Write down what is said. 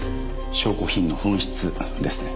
証拠品の紛失ですね。